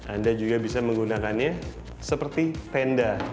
anda juga bisa menggunakannya seperti tenda